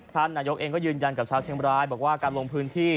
ท่านนายกเองก็ยืนยันกับชาวเชียงบรายบอกว่าการลงพื้นที่